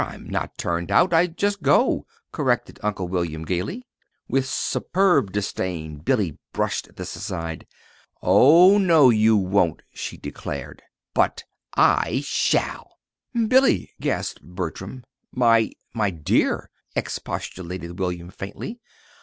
I'm not turned out. I just go," corrected Uncle William, gayly. With superb disdain Billy brushed this aside. "Oh, no, you won't," she declared; "but I shall." "Billy!" gasped Bertram. "My my dear!" expostulated William, faintly.